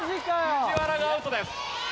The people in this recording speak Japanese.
藤原がアウトです。